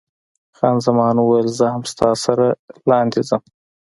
خان زمان وویل، زه هم ستا سره لاندې ځم.